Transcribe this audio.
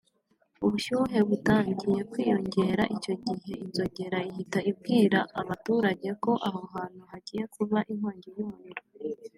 ubushyuhe butangiye kwiyongera icyo gihe inzogera ihita ibwira abaturage ko aho hantu hagiye kuba inkongi y’umuriro